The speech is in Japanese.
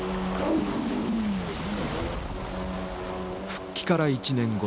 復帰から１年後。